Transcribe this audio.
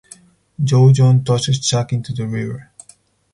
Joe John tosses Chuck into the river.